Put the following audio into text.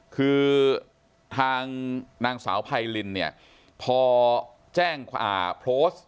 คือทางนางสาวพัยลินเนี้ยพอแจ้งอ่าโพสต์